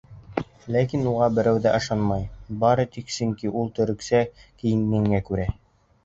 Ләкин уға берәү ҙә ышанмай, бары тик сөнки ул төрөксә кейенгәненә күрә.